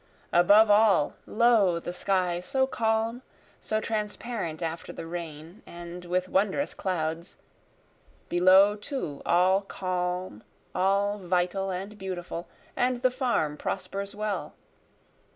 Above all, lo, the sky so calm, so transparent after the rain, and with wondrous clouds, Below too, all calm, all vital and beautiful, and the farm prospers well.